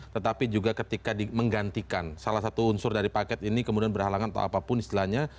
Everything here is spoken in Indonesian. tetapi juga ketika menggantikan salah satu unsur dari paket ini kemudian berhalangan atau apapun istilahnya